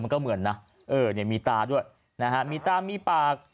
มันก็เหมือนนะเออเนี่ยมีตาด้วยนะฮะมีตามีปาก